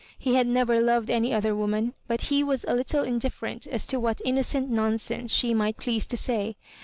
He had never loved any other woman ; but he was a little in different as to what innocent nonsense she might please to say.